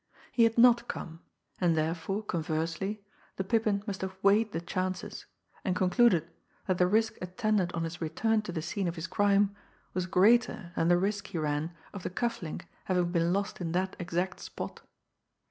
He had not come, and therefore, conversely, the Pippin must have weighed the chances and concluded that the risk attendant on his return to the scene of his crime was greater than the risk he ran of the cuff link having been lost in that exact spot.